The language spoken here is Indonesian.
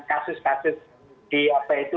kasus kasus di apa itu